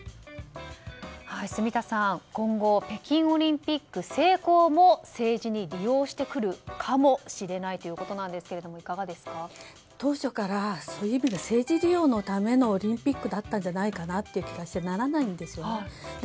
住田さん、今後北京オリンピック成功も政治に利用してくるかもしれないということですけれども当初から政治利用のためのオリンピックだったんじゃないかという気がしてならないんですね。